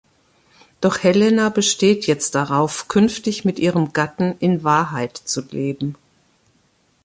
Doch Helena besteht jetzt darauf, künftig mit ihrem Gatten in Wahrheit zu leben.